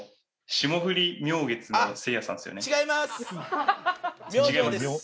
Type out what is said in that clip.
「違います。